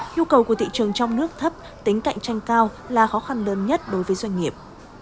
nhu cầu của thị trường trong nước thấp tính cạnh tranh cao là khó khăn lớn nhất đối với doanh nghiệp